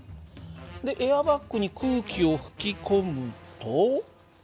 でエアバッグに空気を吹き込むと。